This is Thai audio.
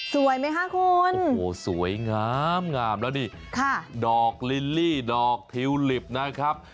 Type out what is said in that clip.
สวยไหมคะคุณโอ้โหสวยงามงามแล้วนี่ดอกลิลลี่ดอกทิวลิปนะครับ